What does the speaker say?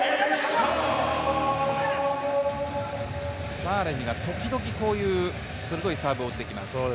サーレヒが時々、こういう鋭いサーブを打ってきます。